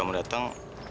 ibu aku datang